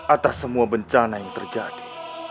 atas semua bencana yang terjadi